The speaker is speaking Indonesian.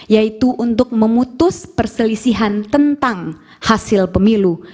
yaitu untuk memutus perselisihan tentang hasil pemilu